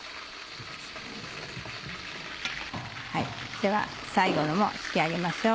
では最後のも引きあげましょう。